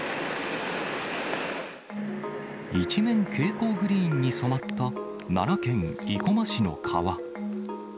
一面蛍光グリーンに染まった、奈良県生駒市の川。